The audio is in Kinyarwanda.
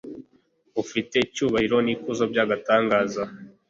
afite icyubahiro n'ikuzo by'agatangaza